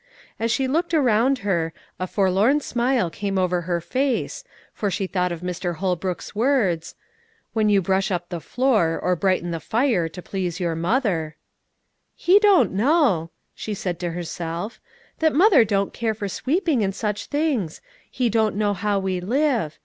As she looked around her, a forlorn smile came over her face, for she thought of Mr. Holbrook's words: "When you brush up the floor, or brighten the fire to please your mother" "He don't know," she said to herself, "that mother don't care for sweeping and such things; he don't know how we live.